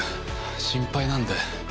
心配なんで。